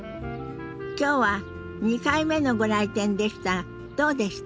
今日は２回目のご来店でしたがどうでした？